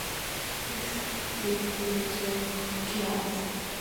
Next it is dry-cured.